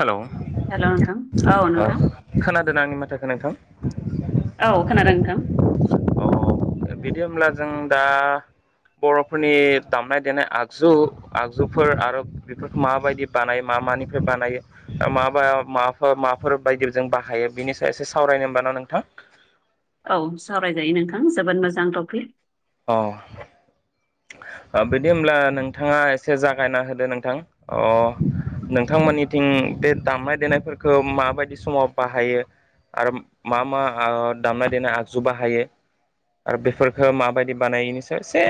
Hello hello नोंथां औ ओ नोंथां खोना दों आंनि माथोखौ नोंथां औ खोनादों नोंथां अ बिदि होमब्ला जों दा बर'फोरनि दामनाय देनाय आगजु आगजुफोर आरो बेफोरखौ माबायदि बानायो मा? मानिफ्राय बानायो माबा माबाफोर माफोर बायदिजों बाहायो बिनि सायाव एसे सावरायनो होमब्ला न नोंथां नोंथां औ सावरायजायो नोंथां जोबोद मोजां टपिक अ बिदि होमब्ला नोंथाङा एसे जागायना होदो नोंथां अ नोंथांमोननि थिं ओम बे दामनाय देनायफोरखौ माबादि समाव बाहायो आरो मा मा ओ दामनाय देनाय आगजु बाहायो आरो बेफोरखौ माबादि बानायो बेनि सायाव एसे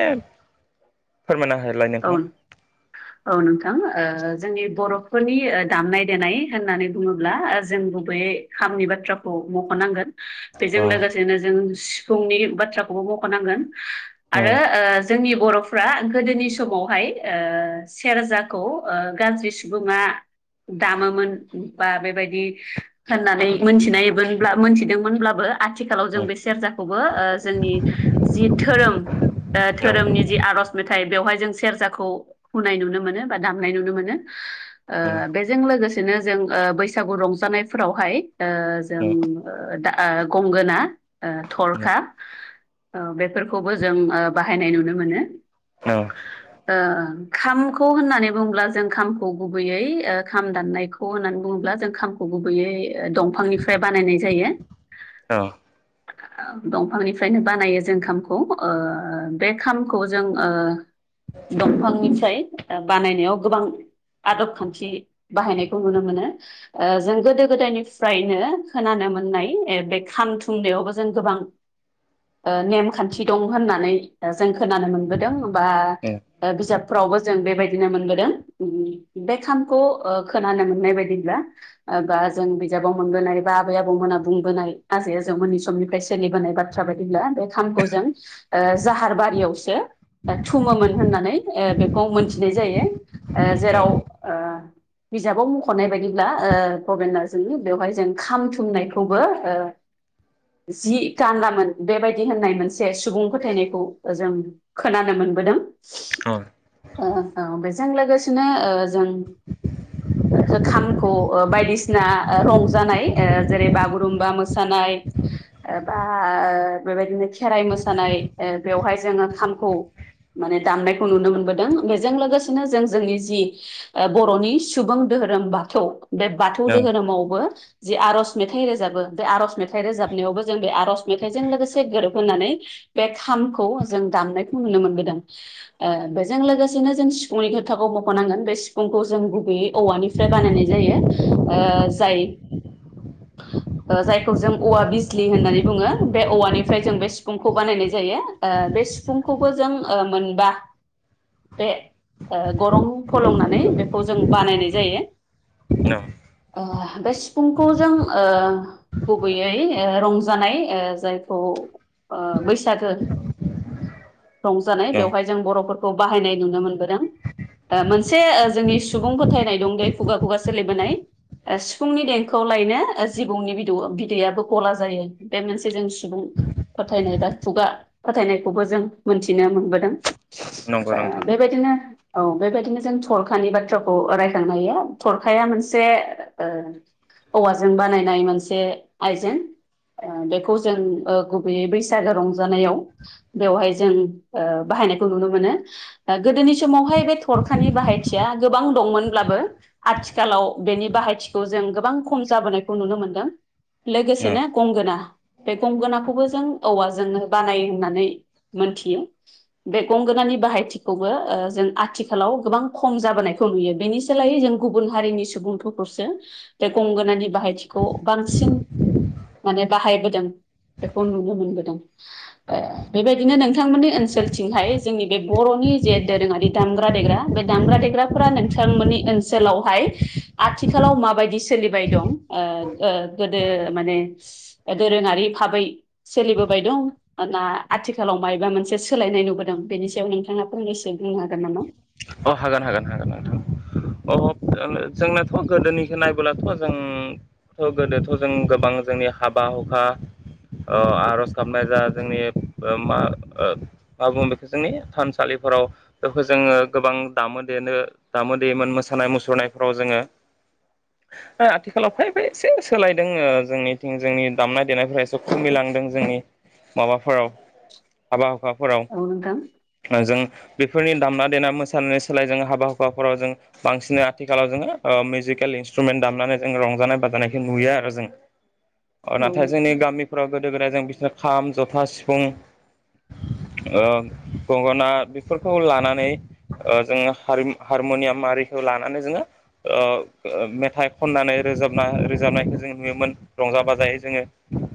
फोरमायना होलाय औ नोंथां औ नोंथां ओ जोंनि बर'फोरनि ओ दामनाय देनाय होननानै बुङोब्ला जों गुबैयै खामनि बाथ्राखौ मख'नांगोन बेजों लोगोसेनो जों सिफुंनि बाथ्राखौबो मख'नांगोन आरो ओ जोंनि बर'फ्रा गोदोनि सु समावहाय ओ सेरजाखौ गाज्रि सुबुङा दामोमोन बा बेबायदि होननानै मोनथिनायमोनब्ला मोनथिदोंमोनब्लाबो आथिखालाव जों बे सेरजाखौबो ओ जोंनि जि धोरोम ओ धोरोमनि जि आर'ज मेथाइ बेवहाय जों सेरजाखौ हुनाय नुनो मोनो बा दामनाय नुनो मोनो ओ बेजों लोगोसे सेनो जों बैसागु रंजानायफोरावहाय जों दा ओ गंगोना थरखा बेफोरखौबो जों बाहायनाय नुनो मोनो औ ओ खामखौ होननानै बुङोब्ला जों खामखौ गुबैयै ओ खाम दाननायखौ होननानै बुङोब्ला गुबैयै दंफांनिफ्राय बानायनाय जायो। दंफांनिफ्रायनो बानायो जों खामखौ बे खामखौ जों ओ दंफांनिफ्राय बानायनायाव गोबां आदब खान्थि बाहायनायखौ नुनो मोनो जों ओ गोदो गोदायनिफ्रायनो खोनानो मोननाय बे खाम थुमनायावबो जों गोबां ओ नेमखान्थि दं होननानै जों खोनानो मोनबोदों बा बिजाबफ्रावबो जों बेबायदिनो मोनबोदों बे खामखौ ओ खोनानो मोननाय बायदिब्ला ओ बा जों बिजाबाव मोनबोनाय बा आबै आबौमोना बुंबोनाय आजै आजौ मोननि समनिफ्राय सोलिबोनाय बाथ्रा बायदिब्ला खामखौ जों जाहार बारियावसो थुमो होननानै बेखौ मोनथिनाय जायो ओ जेराव ओ बिजाबाव मख'नाय बादिब्ला ओ भबेन नार्जिनि बेवहाय जों खाम थुमनायखौबो ओ जि गानामोन बेबायदि होननाय मोनसे सुबुं फोथायनायखौ जों खोनानो मोनबोदों ओ बेजों लोगोसेनो ओ जों खामखौ ओ बायदिसिना रंजानाय जेरै ओ बागुरुम्बा मोसानाय [unintelligible] ओ बा ओ बेबायदिनो खेराइ मोसानाय ओ बेवहाय जोङो खामखौ माने दामनायखौ नुनो मोनबोदों बेजों लोगोसेनो जों जोंनि जि बर'नि सुबुं दोहोरोम बाथौ बे बाथौ धोहोरोमावबो जि आरज मेथाइ रोजाबो बे आरज मेथाइ रोजाबनायावबो जों बे आरज मेथाइजों लोगोसे गोरोबनानै बे खामखौ जों दामनायखौ नुनो मोनबोदों बेजों लोगोसेनो जों सिफुंनि खोथाखौ मखनांगोन बे सिफुंखौ जों बे औवानिफ्राय बानायनाय जायो ओ जाय [inaudible] ओ जायखौ जों औवा बिजलि होननानै बुङो बे औवानिफ्राय जों बे सिफुंखौ बानायनाय जायो ओ बे सिफुंखौबो जों ओ मोनबा बे गरं फोलंनानै बेखौ जों बानायनाय जायो। औ बे सिफुंखौ जों गुबैयै रंजानाय ओ जायखौ बैसागो [inaudible] रंजानाय बेवहाय जों बर'फोरखौ बाहायनाय नुनो मोनबोदों। मोनसे जोंनि सुबुं फोथायनाय दं दे खुगा खुगा सोलिबोनाय। ओ सिफुंनि देंखोआव लायनो जिबौनि बिदौ बिदैयाबो गला जायो बे मोनसे जों सुबुं फोथायनाय दा खुगा फाथायनायखौबो जों मोनथिनो मोनबोदों नंगौ ओ नोंथां बेबायदिनो औ बेबायदिनो जों थरखानि बाथ्राखौ रायखांनो हायो थरखाया मोनसे ओ औवाजों बानायनाय मोनसे आइजें बेखौ जों गुबैयै बैसागो रंजानायाव बेवहाय जों बाहायनायखौ नुनो मोनो गोदोनि समावहाय बे थरखानि बाहायथिया गोबां दंमोनब्लाबो आथिखालाव बेनि बाहायथिखौ जों गोबां खम जाबोनायखौ नुनो मोनदों। लोगोसेनो गंगोना बे गंगोनाखौबो जों औवाजोंनो बानाय होननानै मोनथियो बे गंगोनानि बाहायथिखौबो ओ जों आथिखालाव गोबां खम जाबोनायखौ नुयो बेनि सोलायै जों गुबुन हारिनि सुबुंफोरखौसो जे गंगोनानि बाहायथिखौ बांसिन माने बाहायबोदों बेखौ नुनो मोनबोदों ओ बेबायदि बिदिनो नोंथांमोननि ओनसोलथिंहाय जोंनि बे बर'नि जे दोरोङारि दामग्रा देग्रा बे दामग्रा देग्रा नोंथांमोननि ओनसोलावहाय आथिखालाव माबायदि सोलिबाय दं ओ गोदो माने दोरोङारि भाबै सोलिबोबाय दं ना आथिखाल लाव मायबा मोनसे सोलायनाय नुबोदों बेनि सायाव नोंथाङा फंनैसो बुंनो हागोन नामा? अ हागोन हागोन हागोन नोंथां। अह जोंनाथ गोदोनिखौ नायबोलाथ जों गोदोथ जों गोबां जोंनि हाबा हुखा ओ आरज गाबनाय जा जोंनि ओ मा मा बुङो बेखौ ओ जोंनि थानसालिफोर फोराव बेखौ जोङो गोबां दामो देनो दामो देमोन मोसानाय मुसुरनायफ्राव जोङो आथिखालाव फाय फाय एसे सोलायदों जोंनिथिं जोंनि दामनाय देनायफोरा एसे खम जोंनि माबाफोराव हाबा फोराव औ नोंथां जों बेफोरनि दामना देना मोसा सायानै सोलाय जों हाबा हुखाफोराव जों बांसिन आथिखालाव जोङोह मिउजिकेल इन्स्ट्रुमेन्ट दामनानै जों रं रानाय बानायखौ नुयो आरो जों औ नाथाय जोंनि गामिफोराव गोदाय जों बिसोर खाम जथा सिफुं ओ गंगना बेफोरखौ लानानै ओ जोङो हारमनियाम आरिखौ लानानै जोङो ओ मेथाइ खननानै रोजाबना रोजाबनायखौ जों नुयोमोन रंजा बाजायै जोङो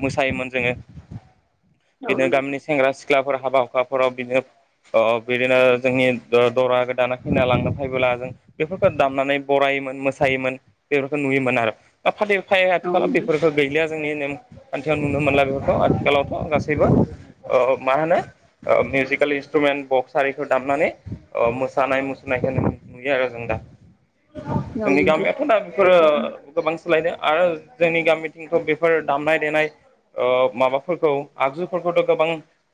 मोसायोमोन जोङो। औ बिदिनो नोंथां गामिनि सेंग्रा सिख्लाफोर हाबा हुखाफोराव बिदिनो ओ बिदिनो जोंनि दरा दाना फैना लांनो फैबोला जों बेफोरखौ दामनानै बरायोमोन मोसायोमोन बेफोरखौ नु योमोन आरो [unintelligible] औ आथिखालाव नोंथां बेफोरफोरखौ गैलिया जोंनि नेम खान्थियाव नुनो मोनला बेफोरखौ आथिखालावथ गासैबो ओ गासैबो मा होनो ओ मिउजिकेल इन्सट्रुमेन्ट बक्स आरिखौ दामनानै अ मोसानाय मुसुरनायखौ नुयो आरो जों दा। औ जोंनि नोंथां गामियाथ दा बेफोरो गोबां सोलायनो आरो जोंनि गामिथिंखौ बेफोर दामनाय देनाय ओ माबाफोरखौ आगजुफोरखौथ गोबां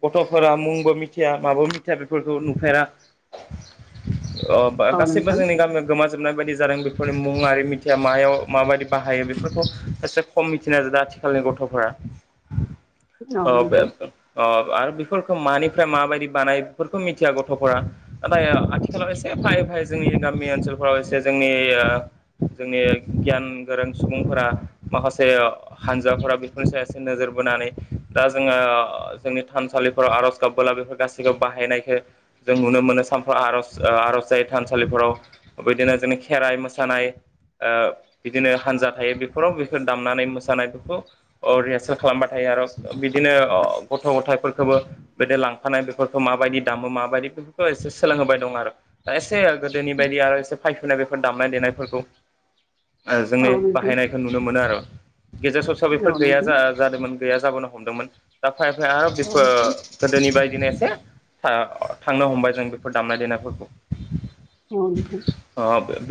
गथ'फोरा मुंबो मिथिया माबो मिथिया बेफोरखौ नुफेरा अ औ गासैबो नोंथां जोंनि गामियाव गोम जोबनाय बायदि जादों बेफोरनि मुङि मिथिया मायाव माबायदि बाहायो बेफोरखौ एसे खम मिथिनाय जादों आथिखाल औ नोंथां [unintelligible] फोरखौ मानिफ्राय माबायदि बानाय बेफोरखौ मिथिया गथ'फोरा। नाथाय आथिखालाव एसे फायै फायै जोंनि गामि ओनसोलफोराव एसे जोंनि जोंनि गियान गोरों सुबुंफोरा माखासे हानजाफोरा बेफोरनि सायाव एसे नोजोर बोनानै दा जोङो जोंनि थानसालिफोराव आरज गाबबोला बेफोर गासैखौबो बाहायनायखौ जों नुनो मोनो। मोनो सानफ्र आरज आरज जायो थानसालिफोराव ओ बिदिनो जोंनि खेराइ मोसानाय ओ बिदिनो हानजा थायो बेफोराव बेखौ दामनानै मोसानाय बेफोरखौ रिहा खालामबा थायो आरो बिदिनो गथ' गथायफोर खौबो बिदि लांफानाय बेफोरखौ माबायदि दामो माबायदि एसे सोलोंहोबाय दं आरोा एसे गोदोनि बायदि आरो एसे फैफैनाय बेफोर दामनाय देनायफोरखौ [inaudible] जोंनि औ नोंथां औ नोंथां औ बाहायनायखौ नुनो मोनो आरो गेजेर ससेायाव बेफोर नोंथां गैया जादोंमोन गैया जाबोनो हमदोंमोन दा फैयै फैयै आरो बेफोर गोदोनि बायदिनो एसे ओ थांनो हमबाय जों बेफोर दामनाय देनायफोरखौ अ औ नोंथां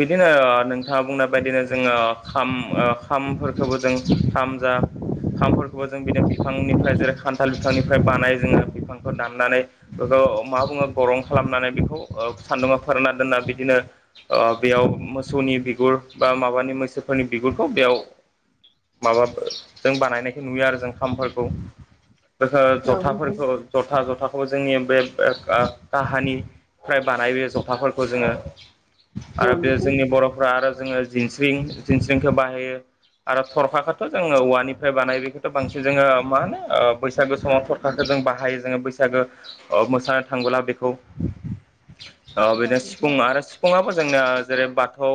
बिदिनो ओ बिदिनो नोंथाङा बुंनाय बायदिनो जोङो खाम खामफोरखौबो जों खाम जा खामफोरखौबो जों बिदिनो बिफांनिफ्राय जेरै खान्थाल बिफांनिफ्राय बानाय जोङो बिफांखौ दाननानै अ अ मा बुङो गरं खालामनानै बेखौ सान्दा फोरना दोन्ना बिदिनो बेयाव मोसौनि बिगुर बा माबानि मैसोफोरनि बिगुरखौ बेयाव। माबा जों बानायनायखौ नुयो आरो जों खामफोरखौ। औ नोंथां जथाफोरखौ जथा जथाखौ जोंनि बे काहानिफ्राय बानायो जफाफोरखौ जोङो। औ आरो बे नोंथां जोंनि बर'फ्रा आरो जोङो जिनस्रिं जिनस्रिंखौ बाहायो आरो थरखाखौ थ जोङो औ ववानिफ्राय बानाय बेखौथ बांसिन जोङो मा होनो? बैसागो समाव सरखारखौ जों बाहायो जोङो बैसागो मोसानो थाङोबोला बे। खौ औ बिदिनो सिफुं आरो सिफुाबो जोंना जेरै बाथौ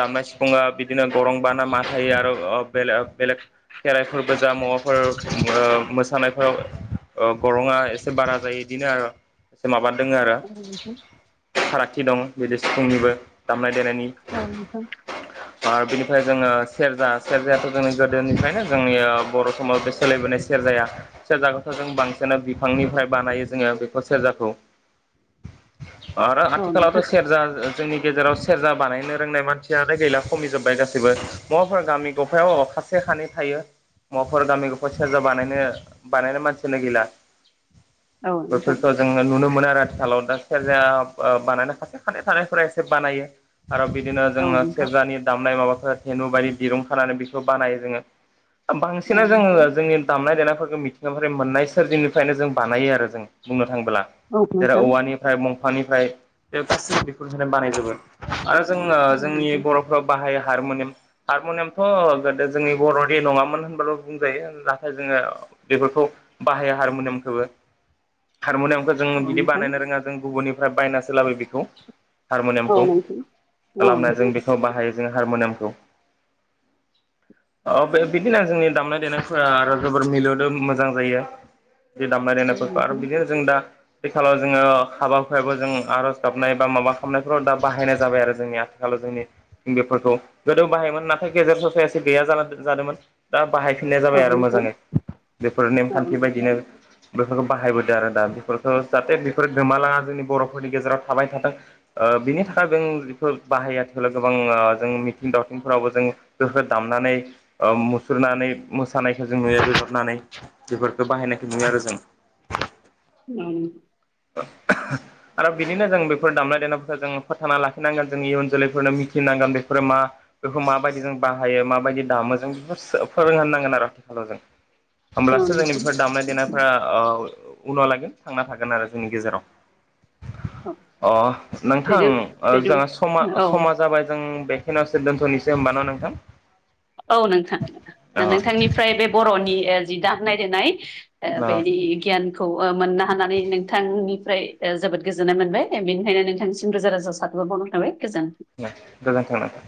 दामनाय सिफुङा बि बिदिनो गरं बाना मा थायो आरो बेले बेलेग खेराइफोरबो जा मुवाफोर मोसानायफोराव गरंङा एसे बारा जायो बिदिनो आरो एसे माबा। नोंथां फारागथि दं बिदि सि फुंनिबो दामनाय। देनायनि औ। आरो बिनिफ्राय जोङो सेरजा सेरजायाथ जोंनि गोदोनिफ्रायनो जोंनि बर' समाव बे सोलायबोनाय सेरजा। सेरजाया सेरजाखौथ जों बांसिनानो बिफांनिफ्राय बानायो जोङो बेखौ सेरजाखौ। आरो औ आथिखालावथ नोंथां सेरजा जोंनि गेजेराव सेरजा बानायनो रोंनाय मानसियालाय गैला खमिजोब्बाय गासैबो माबाफोर गामि गफायाव सासे। सानै थायो मुवाफोर गामिफ सेरजा बानायनो बानायनाय मानसियानो गैला। औ नोंथां औ नोंथां बेफोरखौ जोङो नुनो मोनो आरो खालाव दा सेरजाया बानायनाय खासे खानै थानायफोरा एसे बानायो। आरो बिदिनो जोङो औ सेरजानि दामनाय माबाफोर धेनु बायदि दिरुं खानानै बेखौ बानायो जोङो। बांसिना नोंथां जोङो जोंनि दामनाय-देनाय फोरखो मिथिगानिफाय मोननाय सोरजिंनिफ्रायनो जों बानायो आरो जों बुंनो थाङोब्ला। औ जेराव नोंथां औवानिफ्राय दंफांनिफ्राय बे गासैबो बेफोरमुवाखौ बाहायनाय जायोमोन। आरो जोङो औ जोंनि नोंथां बर'फ्राव बाहायो हारमुनियाम हारमनियामथ' गोदो जोंनि। बर'नि नङामोन होनबाबो बुंजायो नाथाय जोङो बेफोरखौ बाहायो हारमुनियामखोबो। हारमुनियामखौ जों औ बिदि नोंथां बानायनो रोङा जों गुबुननिफ्राय बायनासो लाबोयो बेखौ औ हारमनियामखौ। नोंथां औ नोंथां खालामनाय जों बेखौ बाहायो जों हारमुनियामखौ [inaudible] औ बिदिनो जोंनि दामनाय देनायफोरा आरो जोबोर मिलौदो मोजां जायो। बे दामनाय औ नोंथां औ देनायफोरखौ आरो नोंथां बिदिनो जों दा। आथिखालाव जोङो हाबा हुायाबो जों आर'ज गाबनाय बा माबा खालामनायफ्राव दा बाहायनाय जाबाय आरो जोंनि आथिखालाव। जोंनि बेफोरखौ गोदो बाहायोमोन नाथाय गेजेर ससे एसे गैया जादोंमोन दा। बाहायफिननाय औ नोंथां जाबाय औ आरो मोजाङै बेफोर नेमखान्थि बायदिनो। बेफोरखौ बाहायबोदो आरो दा बेफोर खौ जाहाथे बेफोर गोमालाङा जोंनि बर'फोरनि गेजेराव थाबाय थाथों ओ बिनि थाखाय जोंफोर बा आहाइ [unintelligible] आथिखालाव गोबां जों मिथिं दावथिंफोरावबो जों गोहो दामनानै मुसुरनानै मोसानायखो जों नुयो बिहरनानै बेफोरखौ बाहायनायखौ नुयो आरो जों। [inaudible] [inaudible] आरो बिदिनो जों बेफोर दामनाय देनायफोरखौ जों फोथांना लाखिनांगोन जों इयुन जोलैफोरनो मिथिनांगोन बेफोरो मा। बेखौ माबायदि जों बाहायो माबायदि दामो जों बेखौ फोरोंहोनांगोन आरो आथिखालाव जों औ होमब्लासो जोंनि नोंथां बेफोर दामनाय देनायफ्रा उनाव लागोन थांना थागोन आरो। जोंनि गेजेराव औ अ नोंथां बेदों ओ बेदों जोंहा समा औ समा जाबाय जों बेखनोवसो दोनथ'निसै होनबाना नोंथां। औ नोंथां अ नोंथांनिफ्राय बे बर'नि जि दामनाय देनाय ओ बेेनि गियान खौ मोननो हानानै नोंथांनिफ्राय ओ जोबोद गोजोननाय मोनबाय बेनिखायनो नोंथांसिम रोजा रोजा साबा यखर बावनाय थाबाय। गोजोन्थों गोजोनथों नोंथां